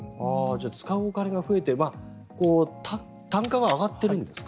使うお金が増えて単価が上がっているんですか。